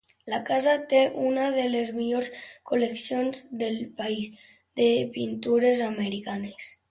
La casa té una de les millors col·leccions del país de pintures americanes.